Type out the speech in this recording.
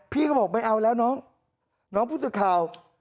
พี่ก็บอกไม่เอาแล้วน้องน้องผู้สื่อข่าว